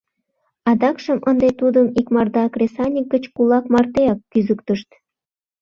Адакшым ынде тудым икмарда кресаньык гыч кулак мартеак кӱзыктышт.